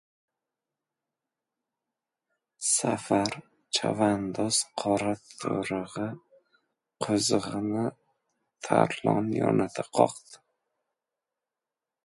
Safar chavandoz qora to‘rig‘i qozig‘ini Tarlon yonidan qoqdi.